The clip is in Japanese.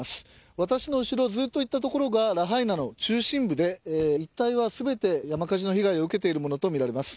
私の後ろずっと行った所がラハイナの中心部で、一帯はすべて山火事の被害を受けているものと見られます。